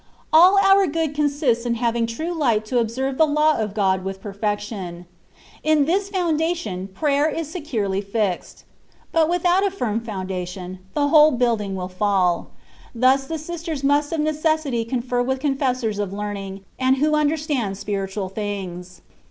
All our good consists in having true light to observe the law of God with perfection : on this foundation prayer is securely fixed ; but without a firm foundation, the whole building will fall ; thus the sisters must of neces sity confer with confessors of learning, and who understand spiritual things.